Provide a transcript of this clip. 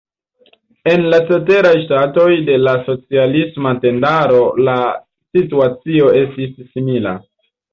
En la ceteraj ŝtatoj de la socialisma tendaro la situacio estis simila.